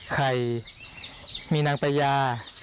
ไข่มีนางประยา